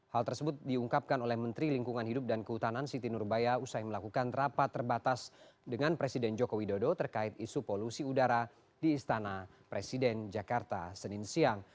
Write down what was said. hal tersebut diungkapkan oleh menteri lingkungan hidup dan kehutanan siti nurbaya usai melakukan rapat terbatas dengan presiden joko widodo terkait isu polusi udara di istana presiden jakarta senin siang